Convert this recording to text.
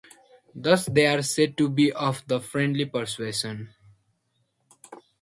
Thus, they are said to be of the "Friendly" persuasion.